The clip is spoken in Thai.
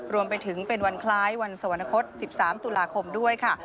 รวมไปถึงเป็นวันคล้ายวันสวรรคต๑๓ตุลาคมด้วยค่ะ